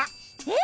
え？